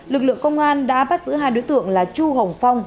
lực lượng công an đã bắt giữ hai đối tượng là chu hồng phong